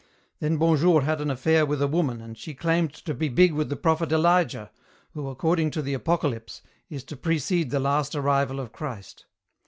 Then Bonjour had an affair with a woman and she claimed to be big with the prophet Elijah, who, according to the Apocalypse, is to precede the last arrival of Christ.